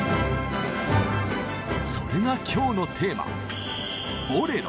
それが今日のテーマ